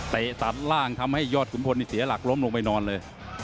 ตัดล่างทำให้ยอดขุนพลเสียหลักล้มลงไปนอนเลย